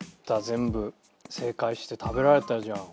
全部正解して食べられたじゃん。